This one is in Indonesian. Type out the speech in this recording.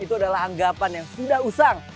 itu adalah anggapan yang sudah usang